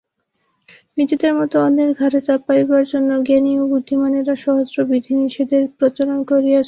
নিজেদের মত অন্যের ঘাড়ে চাপাইবার জন্য জ্ঞানী ও বুদ্ধিমানেরা সহস্র বিধিনিষেধের প্রচলন করিয়াছেন।